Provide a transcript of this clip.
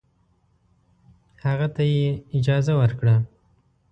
هغه ته یې اجازه ورکړه.